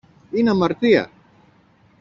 Είναι αμαρτία!